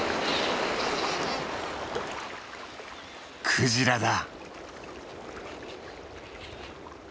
クジラだ。